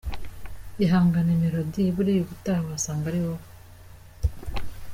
Ihangane Melodie buriya ubutaha wasanga ari wowe.